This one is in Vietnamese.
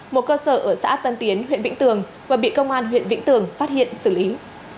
một cơ sở ở xã tân tiến huyện vĩnh tường vừa bị công an huyện vĩnh tường phát hiện xử lý